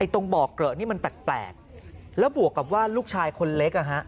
ตรงบ่อเกลอะนี่มันแปลกแล้วบวกกับว่าลูกชายคนเล็ก